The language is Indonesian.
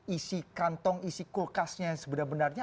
isi kantong isi kulkasnya yang sebenarnya